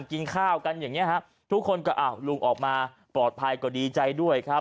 กินข้าวกันอย่างนี้ฮะทุกคนก็อ้าวลุงออกมาปลอดภัยก็ดีใจด้วยครับ